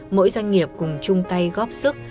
mỗi doanh nghiệp cùng chung tay góp sức